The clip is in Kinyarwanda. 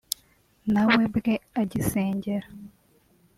nawe bwe agisengera